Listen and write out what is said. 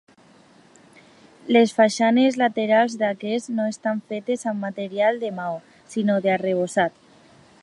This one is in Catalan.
Les façanes laterals d'aquest, no estan fetes amb material de maó, sinó d'arrebossat.